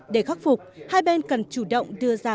để khắc phục hai bên cần chủ động đưa ra